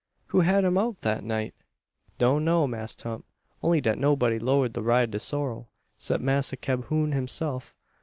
"Who had him out thet night?" "Doan know, Mass' Tump. Only dat nobody 'lowed to ride de sorrel 'cept Massa Cahoon hisself.